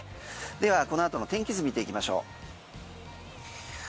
ではこの後の天気図見ていきましょう。